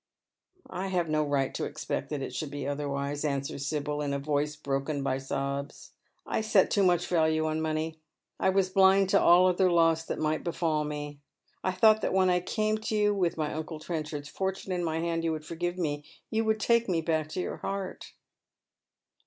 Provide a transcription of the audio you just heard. " I have no right to expect that it should be otherwise," answers Sibyl, in a voice broken by sobs ;" I set too much value on money. I was blind to all other loss that might befall me. I thought that when I came to you with my uncle Trenchard's fortune in my hand you would forgive me, you would take me back to your heart."